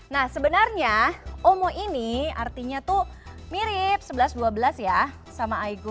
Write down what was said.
nah sebenarnya omo ini artinya tuh mirip sebelas dua belas ya sama aigu